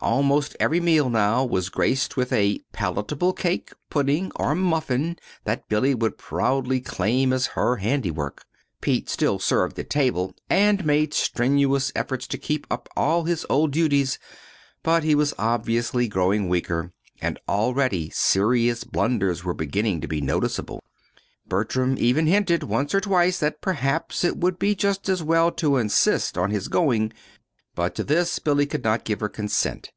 Almost every meal, now, was graced with a palatable cake, pudding, or muffin that Billy would proudly claim as her handiwork. Pete still served at table, and made strenuous efforts to keep up all his old duties; but he was obviously growing weaker, and really serious blunders were beginning to be noticeable. Bertram even hinted once or twice that perhaps it would be just as well to insist on his going; but to this Billy would not give her consent.